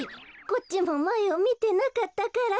こっちもまえをみてなかったから。